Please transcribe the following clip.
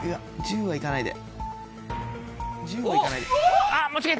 １０は行かないで。